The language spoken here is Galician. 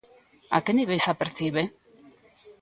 A que niveis a percibe?